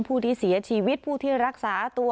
ผู้ที่เสียชีวิตผู้ที่รักษาตัว